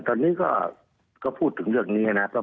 ตอนนี้ก็พูดถึงเรื่องนี้นะครับ